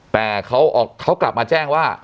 แต่เขากลับมาแจ้งว่า